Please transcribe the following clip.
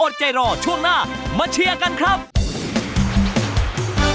ใจรอช่วงหน้ามาเชียร์กันครับ